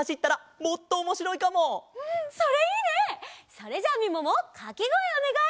それじゃあみももかけごえおねがい！